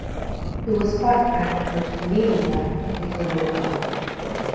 He was partnered with Lilia Kopylova.